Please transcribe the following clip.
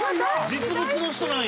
実物の人なんや！